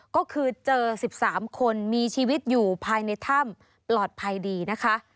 ก็คือเจอ๑๓คนมีชีวิตอยู่ภายในถ้ำปลอดภัยดีนะคะ